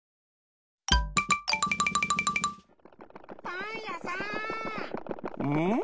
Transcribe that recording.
パンやさん！